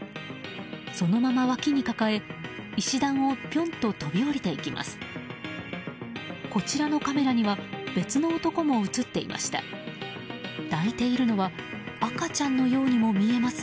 そのままわきに抱え、石段をぴょんと飛び降りていきます。